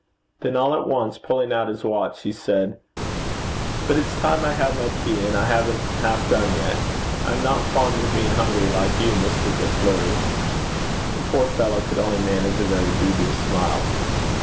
Then all at once, pulling out his watch, he said, 'But it's time I had my tea, and I haven't half done yet. I am not fond of being hungry, like you, Mr. De Fleuri.' The poor fellow could only manage a very dubious smile.